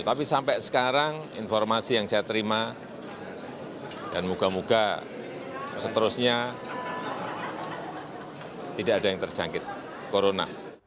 tapi sampai sekarang informasi yang saya terima dan moga moga seterusnya tidak ada yang terjangkit corona